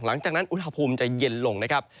หลังจากนั้นอุณหภูมิจะเย็นลงนะครับ